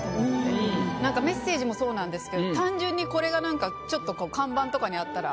メッセージもそうなんですけど単純にこれがなんか看板とかにあったら。